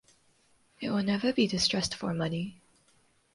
They will never be distressed for money.